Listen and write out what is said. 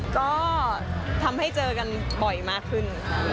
ก็ทำให้เจอกันบ่อยมากขึ้น